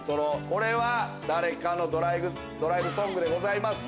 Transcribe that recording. これは誰かのドライブソングでございます。